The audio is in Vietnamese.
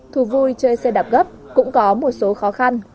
thú vui chơi xe đạp gấp cũng có một số khó khăn